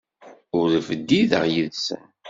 Ur bdideɣ yid-sen.